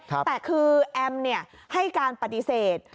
แต่คือแอมให้การปฏิเสธ